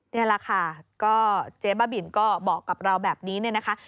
นี่แหละค่ะก็เจ๊บ้าบินก็บอกกับเราแบบนี้เนี่ยนะคะ